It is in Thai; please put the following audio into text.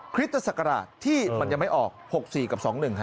คริสต์ศักราชที่มันจะไม่ออก๖๔กับ๒๑ครับ